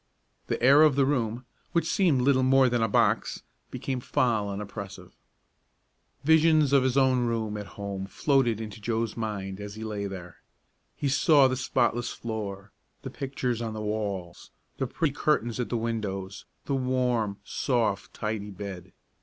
The air of the room, which seemed little more than a box, became foul and oppressive. Visions of his own room at home floated into Joe's mind as he lay there. He saw the spotless floor, the pictures on the walls, the pretty curtains at the windows, the warm, soft, tidy bed.